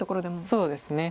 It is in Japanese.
そうですね。